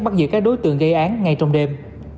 bắt giữ các đối tượng gây án ngay trong đêm